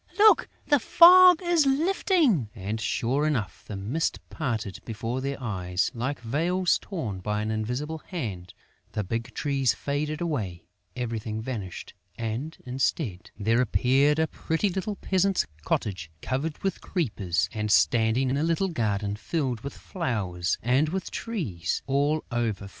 Look! The fog is lifting!" And, sure enough, the mist parted before their eyes, like veils torn by an invisible hand; the big trees faded away, everything vanished and, instead, there appeared a pretty little peasant's cottage, covered with creepers and standing in a little garden filled with flowers and with trees all over fruit.